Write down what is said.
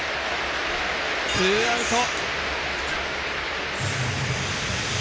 ツーアウト。